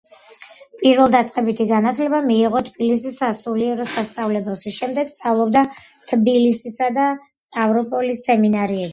პირველდაწყებითი განათლება მიიღო თბილისის სასულიერო სასწავლებელში, შემდეგ სწავლობდა თბილისისა და სტავროპოლის სემინარიებში.